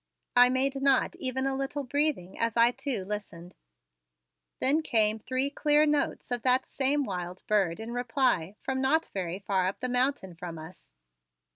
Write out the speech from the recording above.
I made not even a little breathing as I too listened. Then came three clear notes of that same wild bird in reply from not very far up the mountain from us.